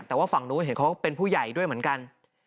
แต่ว่าฝั่งนู้นเห็นเขาเป็นผู้ใหญ่ด้วยเหมือนกัน